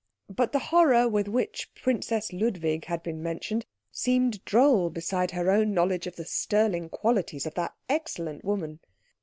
But the horror with which Princess Ludwig had been mentioned seemed droll beside her own knowledge of the sterling qualities of that excellent woman.